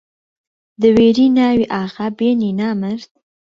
دەوێری ناوی ئاغا بێنی نامەرد!